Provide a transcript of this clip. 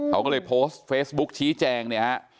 เขาก็เลยโพสต์เฟซบุ๊กชี้แจงเนี่ยฮะ